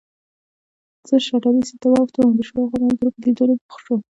زه شاتني سېټ ته واوښتم او د شاوخوا منظرو په لیدو بوخت شوم.